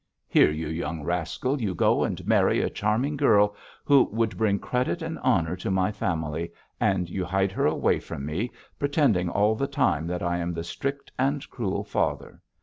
"Here, you young rascal, you go and marry a charming girl, who would bring credit and honour to my family, and you hide her away from me, pretending all the time that I am the strict and cruel father.